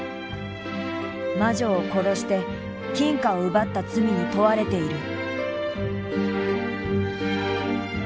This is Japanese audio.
魔女を殺して金貨を奪った罪に問われている。